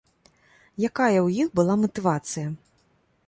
Якая ў іх была матывацыя?